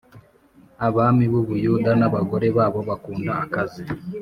abami b’ u Buyuda n’ abagore babo bakunda akazi.